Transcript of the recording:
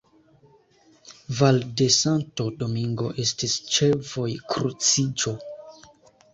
Val de Santo Domingo estis ĉe vojkruciĝo.